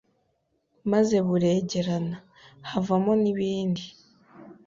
maze buregerana. havamo nibindi